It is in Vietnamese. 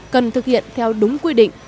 cần thực hiện theo đúng quy định